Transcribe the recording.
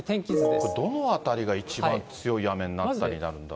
これどの辺りが一番強い雨になったりなるんだろう？